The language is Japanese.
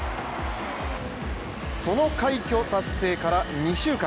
その快挙達成から２週間。